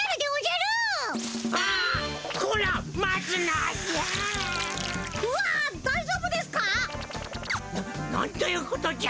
ななんということじゃ！